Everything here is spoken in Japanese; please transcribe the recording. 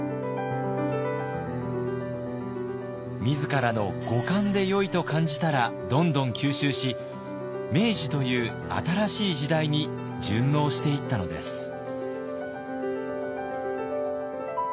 自らの五感でよいと感じたらどんどん吸収し明治という新しい時代に順応していったのです。